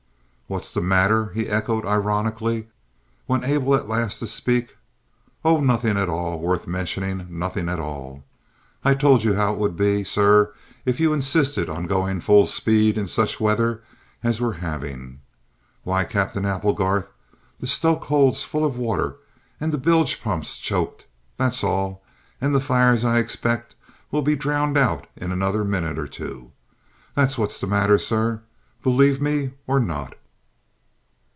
"What's the matter?" he echoed ironically when able at last to speak. "Oh, nothing at all worth mentioning; nothing at all. I told you how it would be, sir, if you insisted on going ahead full speed in such weather as we're having! Why, Cap'en Applegarth, the stoke hold's full of water and the bilgepump's choked, that's all; and the fires, I expect, will be drowned out in another minute or two. That's what's the matter, sir, believe me or not!"